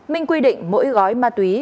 minh quy định mỗi gói ma túy